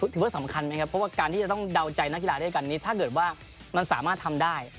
ถือว่าสำคัญไหมครับเพราะว่าการที่จะต้องเดาใจนักกีฬาด้วยกันนี้ถ้าเกิดว่ามันสามารถทำได้